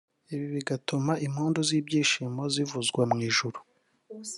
ibi bigatuma impundu z’ibyishimo zivuzwa mu ijuru